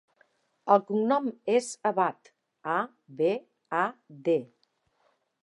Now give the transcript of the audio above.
El cognom és Abad: a, be, a, de.